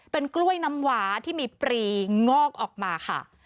เป็นกล้วยน้ำหวาที่มีปรีงอกออกมาค่ะ